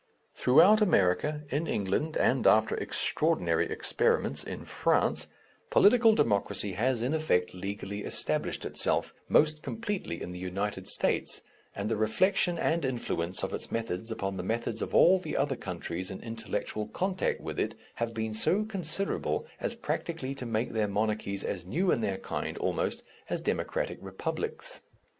Throughout America, in England, and, after extraordinary experiments, in France, political democracy has in effect legally established itself most completely in the United States and the reflection and influence of its methods upon the methods of all the other countries in intellectual contact with it, have been so considerable as practically to make their monarchies as new in their kind, almost, as democratic republics.